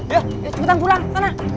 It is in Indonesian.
ya cepetan pulang anak